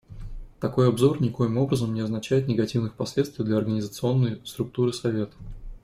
Такой обзор никоим образом не означает негативных последствий для организационной структуры Совета.